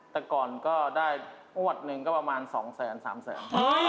แต่ก่อนก็ได้งวดหนึ่งก็ประมาณ๒แสน๓แสน